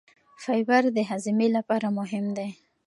فایبر د هاضمې لپاره مهم دی.